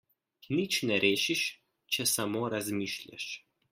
Nič ne rešiš, če samo razmišljaš.